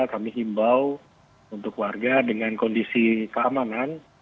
kami himbau untuk warga dengan kondisi keamanan